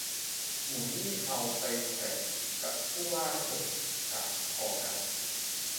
หมูนี่เอาไปแขวนกับผู้ว่าเถอะ กากพอกัน